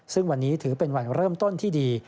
ซึ่งวันนี้ถือเป็นวันเริ่มต้นที่ดี